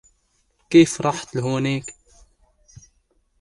كيف رحت لهونيك ؟